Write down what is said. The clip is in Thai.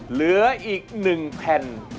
เหลืออีกหนึ่งแผ่น